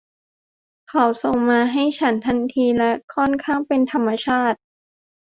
เขาส่งมาให้ฉันทันทีและค่อนข้างเป็นธรรมชาติ